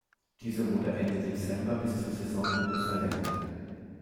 Dieser wurde Ende Dezember bis zum Saisonende verlängert.